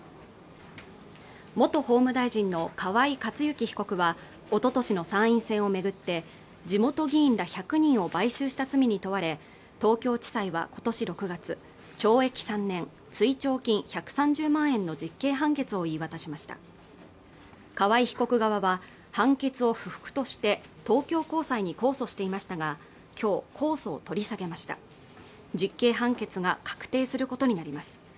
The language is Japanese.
元法務大臣の河井克行被告はおととしの参院選をめぐって地元議員ら１００人を買収した罪に問われ東京地裁は今年６月懲役３年追徴金１３０万円の実刑判決を言い渡しました河井被告側は判決を不服として東京高裁に控訴していましたがきょう控訴を取り下げました実刑判決が確定することになります